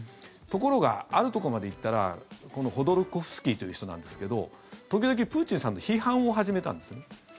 ところがあるところまでいったらホドルコフスキーという人なんですけど時々、プーチンさんの批判を始めたんですね。